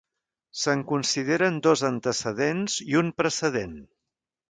Se'n consideren dos antecedents i un precedent.